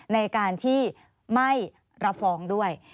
ในการที่ไม่รับฟ้องด้วย